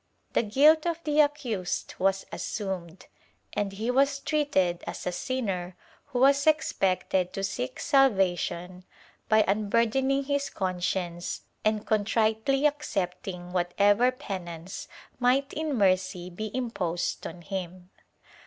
The guilt of the accused was assumed, and he was treated as a sinner who was expected to seek salvation by unburdening his conscience and contritely accepting whatever penance might in mercy be imposed on him.